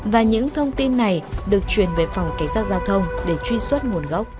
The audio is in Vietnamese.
và những thông tin này được truyền về phòng cảnh sát giao thông để truy xuất nguồn gốc